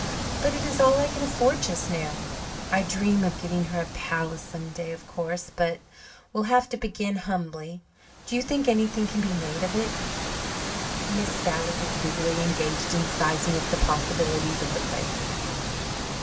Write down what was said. But it is all I can afford just now. I dream of giving her a palace some day, of course. But we'll have to begin humbly. Do you think anything can be made of it?" Miss Sally was busily engaged in sizing up the possibilities of the place.